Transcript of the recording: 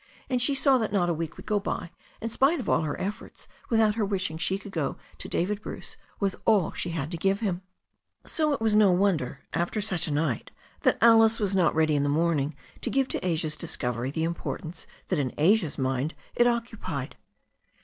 And she saw that not a week would go by, in spite of all her efforts, without her wishing she could go to David Bruce with all she had to give him. So it was no wonder, after such a night, that Alice was not ready in the morning to give to Asia's discovery the importance that in Asia's mind it occupied.